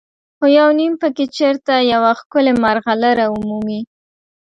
خو یو نیم پکې چېرته یوه ښکلې مرغلره ومومي.